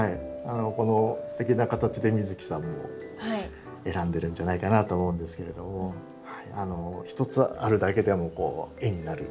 このすてきな形で美月さんも選んでるんじゃないかなと思うんですけれども一つあるだけでもうこう絵になる。